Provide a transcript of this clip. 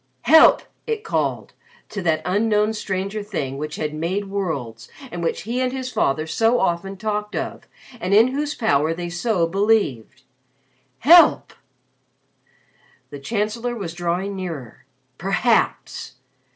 "Help!" it called to that Unknown Stranger Thing which had made worlds and which he and his father so often talked of and in whose power they so believed. "Help!" The Chancellor was drawing nearer. Perhaps!